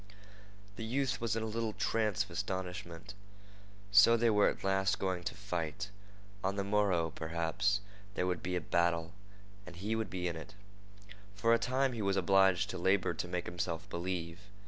The youth was in a little trance of astonishment. So they were at last going to fight. On the morrow, perhaps, there would be a battle, and he would be in it. For a time he was obliged to labor to make himself believe.